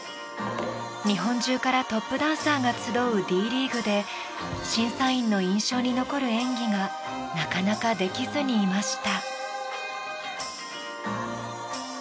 日本中からトップダンサーが集うＤリーグで審査員の印象に残る演技がなかなかできずにいました。